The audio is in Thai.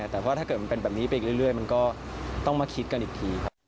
แต่ว่าถ้าเกิดมันเป็นแบบนี้ไปอีกเรื่อยมันก็ต้องมาคิดกันอีกที